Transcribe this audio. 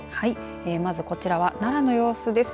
まずこちらは奈良の様子です。